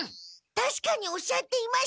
たしかにおっしゃっていました。